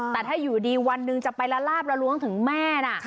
แต่ถ้าอยู่ดีวันหนึ่งจะไปละลาบละล้วงถึงแม่นะ